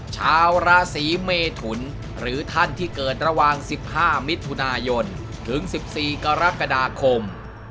ชาวราศีเมทุนหรือท่านที่เกิดระหว่าง๑๕มิถุนายนถึง๑๔กรกฎาคม